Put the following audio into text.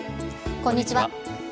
こんにちは。